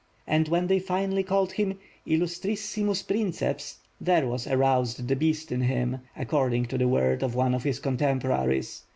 and, when they finally called him "Illustrissimus Princeps^' "there was aroused the beast in him, according to the word of one of his contemporaries.